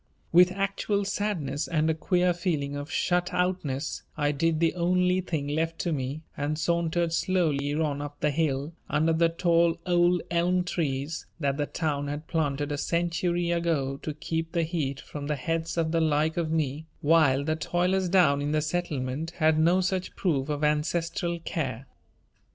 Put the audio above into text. With actual sadness and a queer feeling of shut outness I did the only thing left to me and sauntered slowly on up the hill under the tall old elm trees that the Town had planted a century ago to keep the heat from the heads of the like of me while the toilers down in the Settlement had no such proof of ancestral care.